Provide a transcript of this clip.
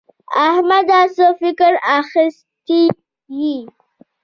احمده څه فکر اخيستی يې؟